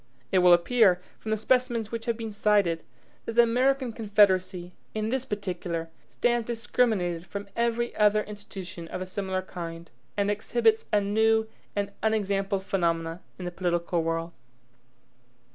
It will appear, from the specimens which have been cited, that the American Confederacy, in this particular, stands discriminated from every other institution of a similar kind, and exhibits a new and unexampled phenomenon in the political world.